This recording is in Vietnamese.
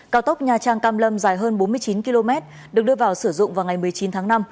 cao tốc nha trang cam lâm dài hơn bốn mươi chín km được đưa vào sử dụng vào ngày một mươi chín tháng năm